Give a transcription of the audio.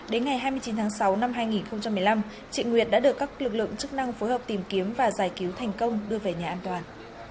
đến ngày hai mươi chín tháng sáu năm hai nghìn một mươi năm chị nguyệt đã được các lực lượng chức năng phối hợp tìm kiếm và giải cứu thành công đưa về nhà an toàn